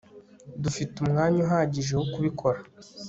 dufite umwanya uhagije wo kubikora